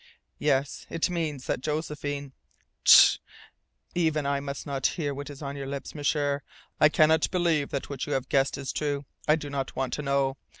"Yes. It means that Josephine " "Tsh! Even I must not hear what is on your lips, M'sieur! I cannot believe that you have guessed true. I do not want to know.